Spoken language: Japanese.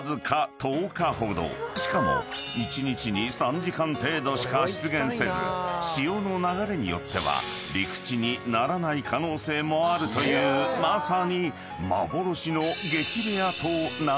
［しかも一日に３時間程度しか出現せず潮の流れによっては陸地にならない可能性もあるというまさに］